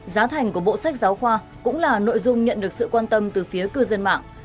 giá thành của bộ sách giáo khoa cũng là nội dung nhận được sự quan tâm từ phía cư dân mạng